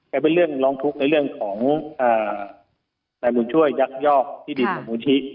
แต่เป็นเรื่องร้องทุกข์ในเรื่องของนายบุญช่วยยักยอกที่ดินของมูลชิ